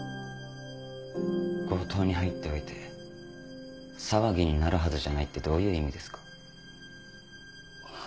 強盗に入っておいて騒ぎになるはずじゃないってどういう意味ですか？